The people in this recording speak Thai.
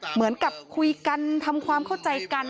เหมือนกับคุยกันทำความเข้าใจกัน